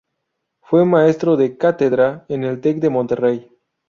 Fue maestro de cátedra en el Tec de Monterrey.